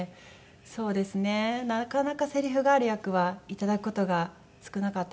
そうですねなかなかせりふがある役はいただく事が少なかったです。